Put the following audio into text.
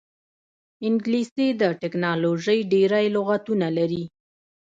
انګلیسي د ټیکنالوژۍ ډېری لغتونه لري